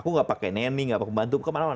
nenek nggak mau kubantu